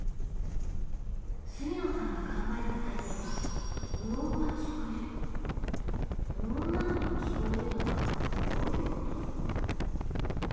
住野さんが考えたタイトルは無音なのに聴こえるとはどういうこと？